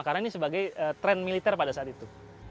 karena ini sebagai tren militer pada saat itu